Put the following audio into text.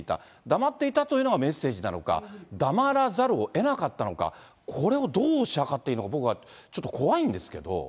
黙っていたというのがメッセージなのか、黙らざるをえなかったのか、これをどう推し量っていいのか、僕はちょっと怖いんですけども。